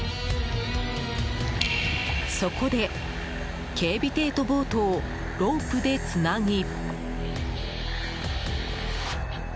そこで、警備艇とボートをロープでつなぎ。